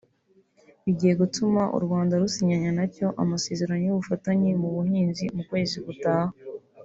bigiye gutuma u Rwanda rusinyana nacyo amasezerano y’ubufatanye mu buhinzi mu kwezi gutaha